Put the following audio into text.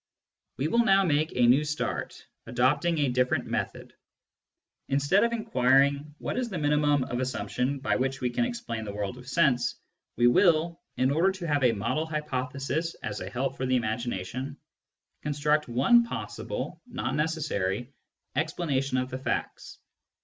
We will now make a new start, adopting a different method. Instead of inquiring what is the minimum of assumption by which we can explain the world of sense, we will, in order to have a model hypothesis as a help for the imagination, construct one possible (not necessary) explanation of the facts.